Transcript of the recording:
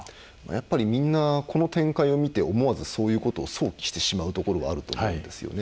やっぱり、みんなこの展開を見て思わずそういうことを想起してしまうところはあると思うんですよね。